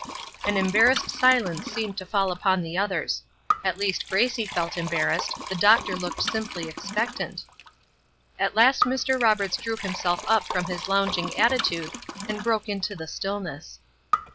An embarrassed silence seemed to fall upon the others. At least Gracie felt embarrassed; the doctor looked simply expectant. At last Mr. Roberts drew himself up from his lounging attitude and broke into the stillness.